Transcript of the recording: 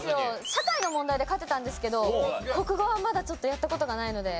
社会の問題で勝てたんですけど国語はまだちょっとやった事がないので頑張ります。